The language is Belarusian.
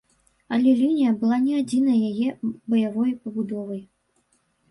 Але лінія была не адзінай яе баявой пабудовай.